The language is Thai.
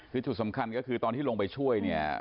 สิ่งสุดสำคัญก็คือตอนที่ลงไปช่วย